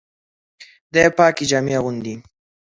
دی پاکي جامې اغوندي.